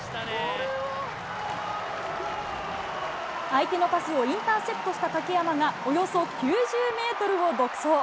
相手のパスをインターセプトした竹山が、およそ９０メートルを独走。